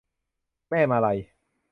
แม่มาลัย